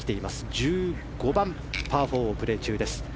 １５番、パー４をプレー中です。